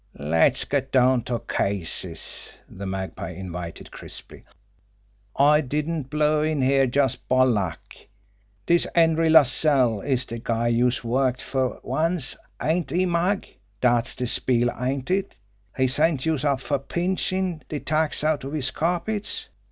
"Let's get down to cases!" the Magpie invited crisply. "I didn't blow in here just by luck. Dis Henry LaSalle is de guy youse worked fer once, ain't he, Mag? Dat's de spiel, ain't it? he sent youse up fer pinchin' de tacks out of his carpets!"